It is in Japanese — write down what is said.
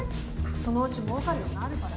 そのうちもうかるようになるから。